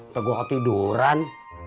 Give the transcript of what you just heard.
atau gua ketiduran